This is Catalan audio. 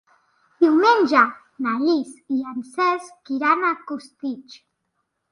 Diumenge na Lis i en Cesc iran a Costitx.